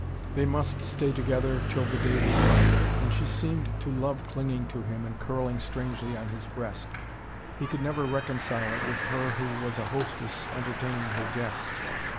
They must stay together till the day was light. And she seemed to love clinging to him and curling strangely on his breast. He could never reconcile it with her who was a hostess entertaining her guests.